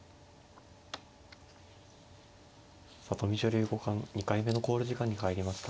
里見女流五冠２回目の考慮時間に入りました。